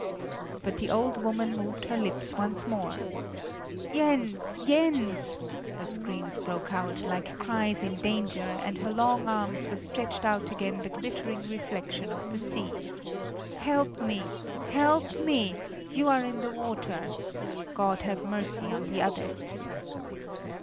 But the old woman moved her lips once more: "Jens! Jens!" her screams broke out, like cries in danger, and her long arms were stretched out against the glittering reflection of the sea; "Help me! Help me! You are in the water God have mercy on the others!"